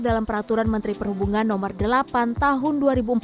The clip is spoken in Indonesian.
dalam peraturan menteri perhubungan no delapan tahun dua ribu empat belas